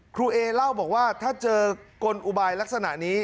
เอเล่าบอกว่าถ้าเจอกลอุบายลักษณะนี้